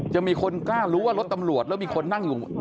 จะมีคนกล้ารู้ว่ารถตำรวจแล้วมีคนนั่งอยู่